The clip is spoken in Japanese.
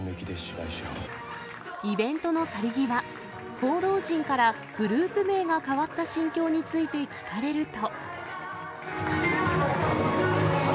イベントの去り際、報道陣からグループ名が変わった心境について聞かれると。